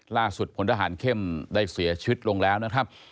พลทหารเข้มได้เสียชีวิตลงแล้วนะครับ